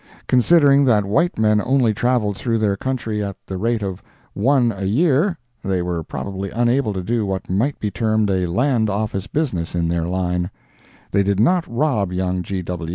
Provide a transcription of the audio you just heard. Considering that white men only traveled through their country at the rate of one a year, they were probably unable to do what might be termed a land office business in their line. They did not rob young G.